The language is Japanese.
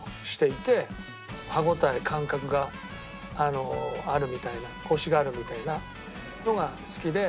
歯応え感覚があるみたいなコシがあるみたいなのが好きで。